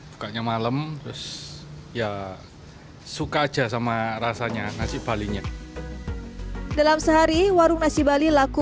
bukanya malam terus ya suka aja sama rasanya nasi balinya dalam sehari warung nasi bali laku